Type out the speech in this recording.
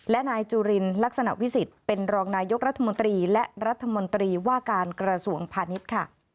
และนายจุลินลักษณะวิสิทธิ์เป็นรองนายกรัฐมนตรีและรัฐมนตรีว่าการกระทรวงพาณิชย์ค่ะ